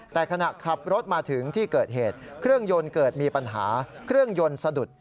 แต่ขณะขับรถมาถึงที่เกิดเหตุเครื่องยนต์เกิดมีปัญหาเครื่องยนต์สะดุด